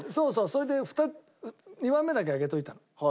それで２番目だけあけといたの。